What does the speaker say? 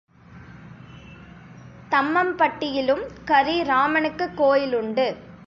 தம்மம்பட்டியிலும் கரிராமனுக்குக் கோயில் உண்டு.